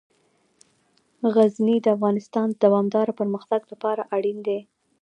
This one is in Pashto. غزني د افغانستان د دوامداره پرمختګ لپاره اړین دي.